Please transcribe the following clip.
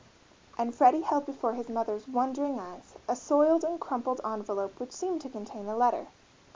And Freddie held before his mother's wondering eyes a soiled and crumpled envelope which seemed to contain a letter.